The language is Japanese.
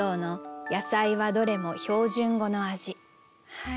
はい。